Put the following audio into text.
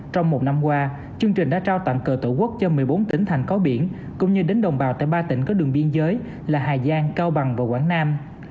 trong một năm qua chương trình đã trao tặng cờ tổ quốc cho một mươi bốn tỉnh thành có biển cũng như đến đồng bào tại ba tỉnh có đường biên giới là hà giang cao bằng và quảng nam